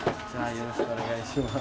よろしくお願いします。